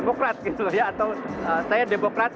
bagaimana jokowi mengatakan saya adalah seorang demokrat